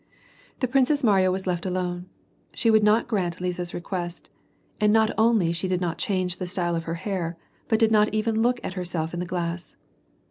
The Princess Mariya was left alone. She would not grant Liza's re<iuest, luid not only she did not change the style of her hair, but did not even look at herself in the glass.